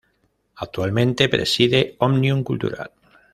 Actualmente preside Òmnium Cultural.